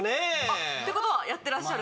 あっってことはやってらっしゃる？